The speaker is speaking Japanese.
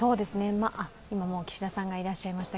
今もう岸田さんがいらっしゃいました。